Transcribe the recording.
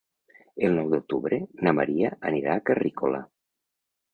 El nou d'octubre na Maria anirà a Carrícola.